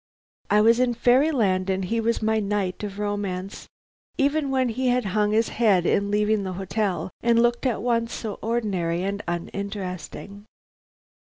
I was in fairy land and he was my knight of romance, even when he again hung his head in leaving the hotel and looked at once so ordinary and uninteresting.